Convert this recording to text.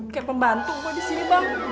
kayak pembantu gue disini bang